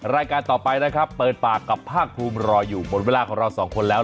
รายการต่อไปนะครับเปิดปากกับภาคภูมิรออยู่หมดเวลาของเราสองคนแล้ว